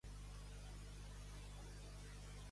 Sant Galdric, el poble d'en Rapinya.